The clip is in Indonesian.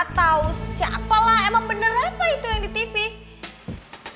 tau siapalah emang bener reva itu yang di tv allez